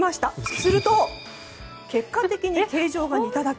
すると結果的に形状が似ただけ。